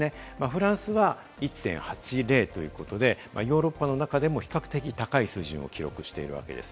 フランスは１．８０ということで、ヨーロッパの中でも比較的高い水準を記録しています。